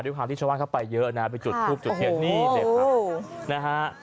ด้วยความที่ชาวบ้านเข้าไปเยอะนะไปจุดทูบจุดเทียนนี่เลยครับนะฮะ